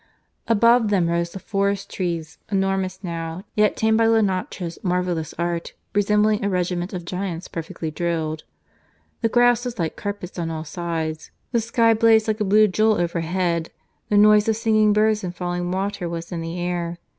Above them rose the forest trees, enormous now, yet tamed by Lenotre's marvellous art, resembling a regiment of giants perfectly drilled; the grass was like carpets on all sides; the sky blazed like a blue jewel overhead; the noise of singing birds and falling water was in the air.